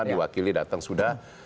diwakili datang sudah